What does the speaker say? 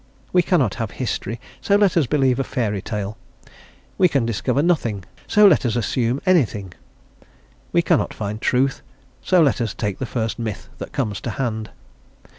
We cannot have history, so let us believe a fairy tale; we can discover nothing, so let us assume anything; we cannot find truth, so let us take the first myth that comes to hand.